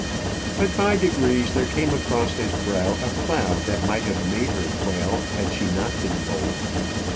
But by degrees there came across his brow a cloud that might have made her quail had she not been bold.